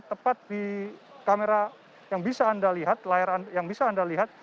tepat di kamera yang bisa anda lihat layar yang bisa anda lihat